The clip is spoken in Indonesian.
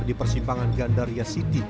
di persimpangan gandaria city